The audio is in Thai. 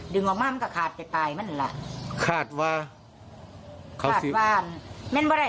ดึงเลยที่แรกบอกดึง